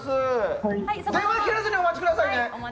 電話切らずにお待ちください。